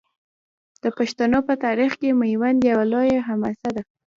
د پښتنو په تاریخ کې میوند یوه لویه حماسه ده.